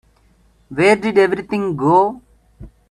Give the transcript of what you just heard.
Where did everything go?